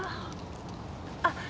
あ。